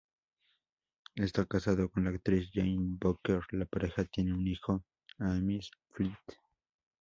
Está casado con la actriz Jane Booker, la pareja tiene un hijo, Hamish Fleet.